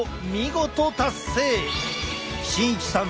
慎一さん